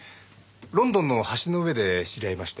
ロンドンの橋の上で知り合いまして。